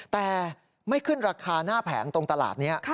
แต่ไม่ขึ้นราคาหน้าแผงตรงตลาดนี้